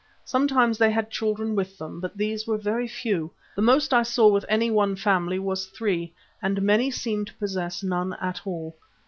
Sometimes they had children with them, but these were very few; the most I saw with any one family was three, and many seemed to possess none at all.